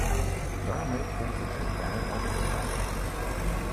Daarmee komt het totaal al op vijftien.